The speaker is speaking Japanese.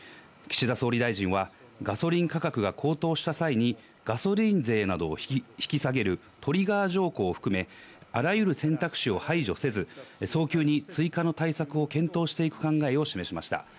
岸田総理大臣はガソリン価格が高騰した際にガソリン税などを引き下げる、トリガー条項を含め、あらゆる選択肢を排除せず早急に追加の対策を検討していく考えを示しました。